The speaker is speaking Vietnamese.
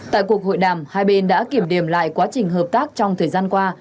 tại cuộc hội đàm hai bên đã kiểm điểm lại quá trình hợp tác trong thời gian qua